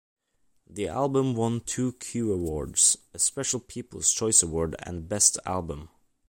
The album won two Q Awards: a special People's Choice Award and Best Album.